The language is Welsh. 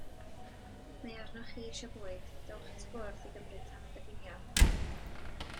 Mae arnoch chi eisio bwyd; dowch at y bwrdd i gymryd tamed o ginio.